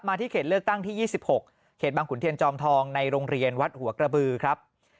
ที่เขตเลือกตั้งที่๒๖เขตบางขุนเทียนจอมทองในโรงเรียนวัดหัวกระบือครับ